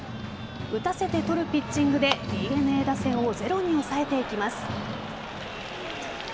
打たせて取るピッチングでＤｅＮＡ打線をゼロに抑えていきます。